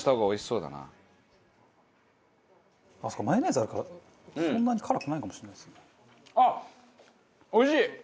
おいしい！